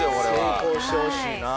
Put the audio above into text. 成功してほしいなあ。